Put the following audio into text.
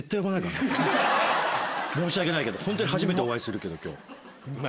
申し訳ないけどホントに初めてお会いするけど今日。